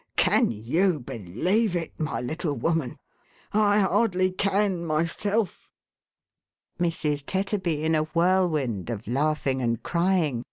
Can you believe it, my little woman ? I hardly can myself." Mrs. Tetterby, in a whirlwind of laughing and crying.